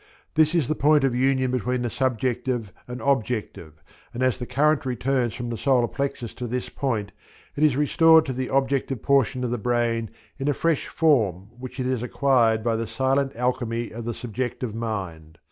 This is the point of union between the subjective and objective, and as the current returns from the solar plexus to this point it is restored to the objective portion of the brain in a fresh form which it has acquired by the silent alchemy of the subjective mind.